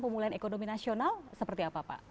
pemulihan ekonomi nasional seperti apa pak